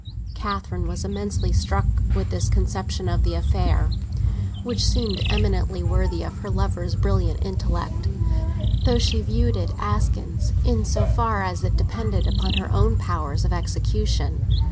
Catherine was immensely struck with this conception of the affair, which seemed eminently worthy of her lover's brilliant intellect; though she viewed it askance in so far as it depended upon her own powers of execution.